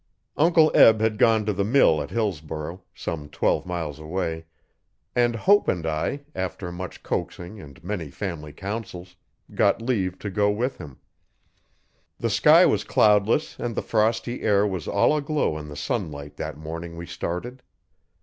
Uncle Eb had to go to mill at Hillsborough, some twelve miles away, and Hope and I, after much coaxing and many family counsels, got leave to go with him. The sky was cloudless, and the frosty air was all aglow in the sunlight that morning we started.